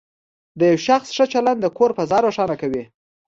د یو شخص ښه چلند د کور فضا روښانه کوي.